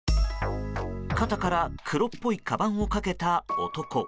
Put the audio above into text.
肩から黒っぽいかばんをかけた男。